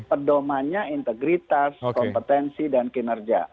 pedomannya integritas kompetensi dan kinerja